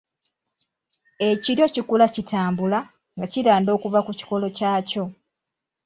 Ekiryo kikula "kitambula" nga kiranda okuva ku kikolo kyakyo.